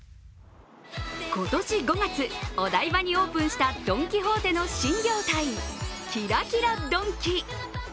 今年５月、お台場にオープンしたドン・キホーテの新業態キラキラドンキ。